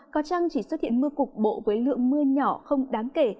có trăng chỉ xuất hiện mưa cục bộ với lượng mưa nhỏ không đáng kể